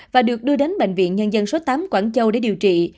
và được đưa đến bệnh viện nhân dân số tám quảng châu để điều trị